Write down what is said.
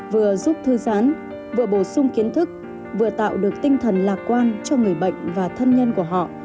vừa giúp thư giãn vừa bổ sung kiến thức vừa tạo được tinh thần lạc quan cho người bệnh và thân nhân của họ